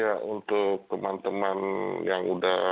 ya untuk teman teman yang udah